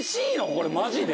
これマジで？